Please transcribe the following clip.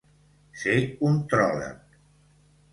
Ser un tròlec.